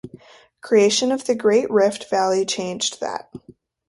Creation of the Great Rift Valley changed that.